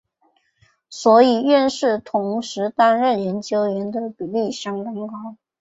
所以院士同时担任研究员的比率相当高。